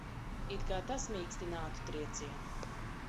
It kā tas mīkstinātu triecienu.